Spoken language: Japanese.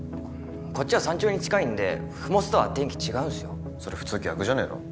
こっちは山頂に近いんで麓とは天気違うんすよ。それ普通逆じゃねぇの？